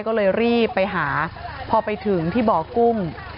ก็เลยรีบไปหาพอไปถึงที่บ่อกุ้ง